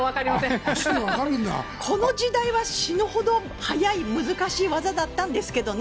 この時代は死ぬほど速い難しい技だったんですけどね。